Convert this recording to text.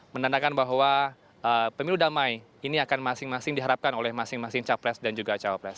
menandakan bahwa pemilu damai ini akan masing masing diharapkan oleh masing masing capres dan juga cawapres